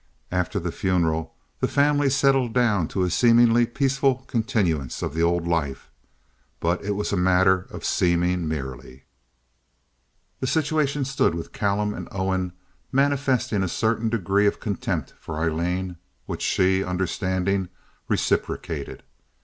After the funeral the family settled down to a seemingly peaceful continuance of the old life; but it was a matter of seeming merely. The situation stood with Callum and Owen manifesting a certain degree of contempt for Aileen, which she, understanding, reciprocated.